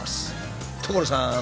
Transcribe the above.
所さん！